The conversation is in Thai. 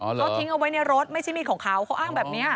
เขาทิ้งเอาไว้ในรถไม่ใช่มีดของเขาเขาอ้างแบบนี้